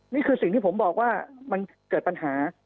นี่คือสิ่งที่ผมบอกว่ามันเกิดปัญหา